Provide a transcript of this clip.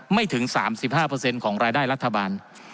ไม่ถึง๓๕ของรายได้รัฐบาล